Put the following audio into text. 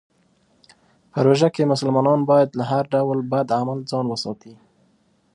په روژه کې مسلمانان باید له هر ډول بد عمل ځان وساتي.